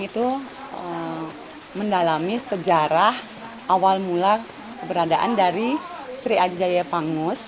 itu mendalami sejarah awal mula keberadaan dari sri ajaya pangus